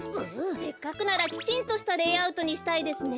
せっかくならきちんとしたレイアウトにしたいですね。